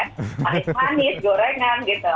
manis manis jorengan gitu